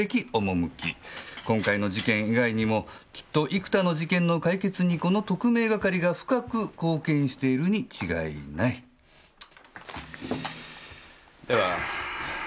「今回の事件以外にもきっと幾多の事件の解決にこの特命係が深く貢献しているに違いない」では。